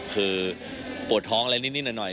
คือโปรดท้องแล้วนิดหน่อย